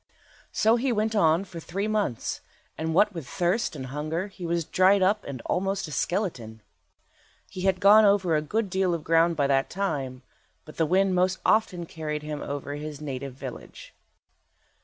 So he went on for three months, and what with thirst and hunger he was dried up and almost a skeleton. He had gone over a good deal of ground by that time, but the wind most often carried him over his native village.